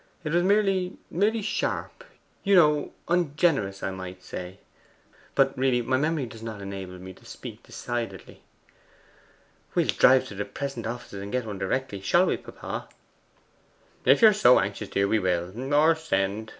It was merely merely sharp, you know ungenerous, I might say. But really my memory does not enable me to speak decidedly.' 'We'll drive to the PRESENT office, and get one directly; shall we, papa?' 'If you are so anxious, dear, we will, or send.